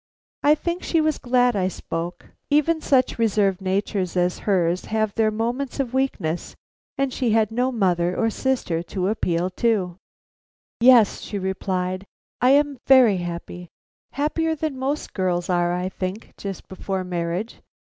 I think she was glad I spoke. Even such reserved natures as hers have their moments of weakness, and she had no mother or sister to appeal to. "Yes," she replied, "I am very happy; happier than most girls are, I think, just before marriage.